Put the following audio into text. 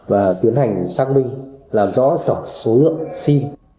và tiến hành xác minh làm rõ tổng số lượng sim